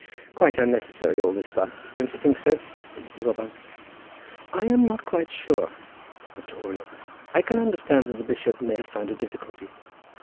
"Quite unnecessary, all this fuss; don't you think so?" said Mr. Robarts. "I am not quite sure," said Mr. Oriel. "I can understand that the bishop may have found a difficulty."